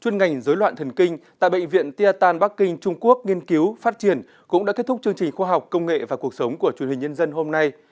ngành dối loạn thần kinh tại bệnh viện tia tan bắc kinh trung quốc nghiên cứu phát triển cũng đã kết thúc chương trình khoa học công nghệ và cuộc sống của truyền hình nhân dân hôm nay